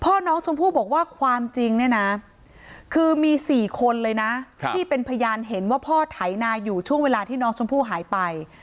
พ่อน้องชมพู่บอกว่าความจริงเนี่ยนะคือมี๔คนเลยนะที่เป็นพยานเห็นว่าพ่อไถนาอยู่ช่วงเวลาที่น้องชมพู่หายไป